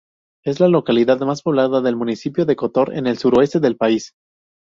Es la localidad más poblada del municipio de Kotor, en el suroeste del país.